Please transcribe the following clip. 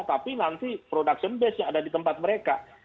tapi nanti production base yang ada di tempat mereka